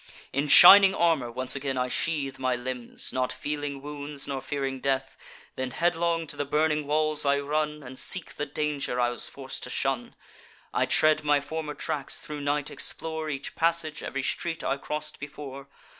In shining armour once again I sheathe My limbs, not feeling wounds, nor fearing death. Then headlong to the burning walls I run, And seek the danger I was forc'd to shun. I tread my former tracks; thro' night explore Each passage, ev'ry street I cross'd before.